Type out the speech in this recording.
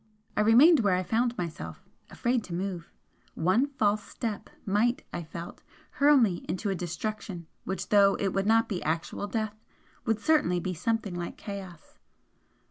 I remained where I found myself, afraid to move; one false step might, I felt, hurl me into a destruction which though it would not be actual death would certainly be something like chaos.